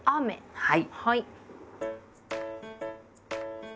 はい。